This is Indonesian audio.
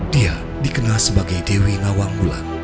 dia dikenal sebagai dewi nawang bulat